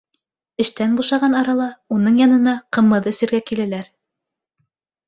Эштән бушаған арала, уның янына ҡымыҙ эсергә киләләр.